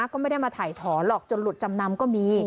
ก็ไม่ได้มาถ่ายถอนหรอกจนหลุดจำนำก็มี